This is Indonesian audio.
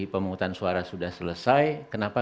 pemungutan suara sudah selesai kenapa